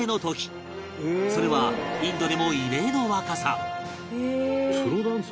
それはインドでも異例の若さ